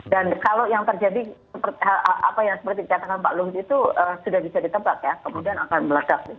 dan kalau yang terjadi seperti yang katakan pak luhut itu sudah bisa ditebak ya kemudian akan meledak